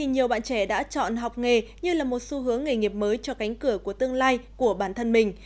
nhiều bạn trẻ đã chọn học nghề như là một xu hướng nghề nghiệp mới cho cánh cửa của tương lai của bản thân mình